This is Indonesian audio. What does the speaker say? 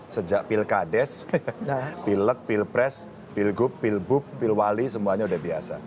sejak pilkades pilek pilpres pilgub pilgub pilwali semuanya sudah biasa